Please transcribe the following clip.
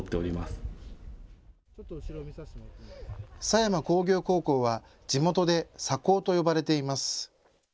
狭山工業高校は地元で狭工と呼ばれています。